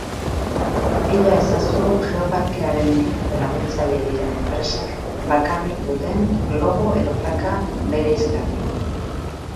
Bila ezazu Geoparkearen entitate laguntzaile diren enpresek bakarrik duten logo edo plaka bereizgarria.